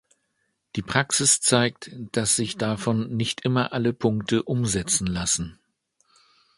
Die Praxis zeigt, dass sich davon nicht immer alle Punkte umsetzen lassen.